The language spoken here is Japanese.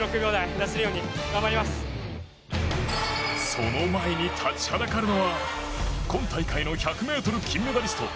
その前に立ちはだかるのは今大会の１００ｍ金メダリスト